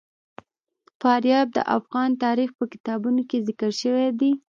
فاریاب د افغان تاریخ په کتابونو کې ذکر شوی دي.